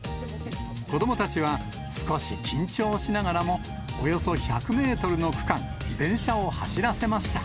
子どもたちは少し緊張しながらも、およそ１００メートルの区間、電車を走らせました。